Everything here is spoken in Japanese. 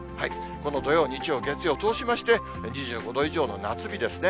この土曜、日曜、月曜通しまして、２５度以上の夏日ですね。